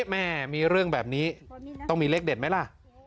แม่มีเรื่องแบบนี้ต้องมีเลขเด็ดไหมล่ะ